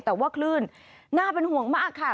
แต่ว่าคลื่นน่าเป็นห่วงมากค่ะ